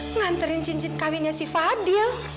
mengantarkan cincin kawinnya si fadil